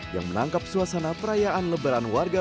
yang menangkap suasana perayaan lebaran warga